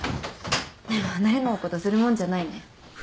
でも慣れないことするもんじゃないね。